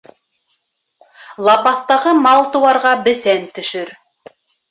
Лапаҫтағы мал-тыуарға бесән төшөр.